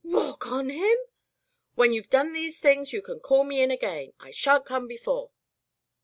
"W walkonhim?'' "When youVe done these things you can call me in again. I shan't come before.'